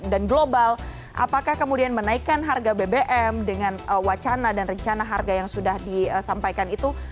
dan global apakah kemudian menaikkan harga bpm dengan wacana dan rencana harga yang sudah disampaikan itu